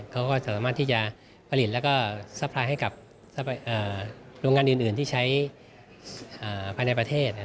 เขาก็สามารถที่จะผลิตแล้วก็ซัพพลายให้กับโรงงานอื่นที่ใช้ภายในประเทศ